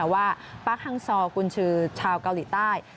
ว่าปาร์คฮังซอร์กุญชือชาวเกาหลีใต้